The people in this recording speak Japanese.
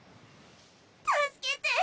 助けて！